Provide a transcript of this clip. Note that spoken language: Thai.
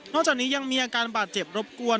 จากนี้ยังมีอาการบาดเจ็บรบกวน